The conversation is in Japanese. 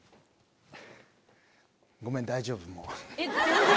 ごめん大丈夫もう。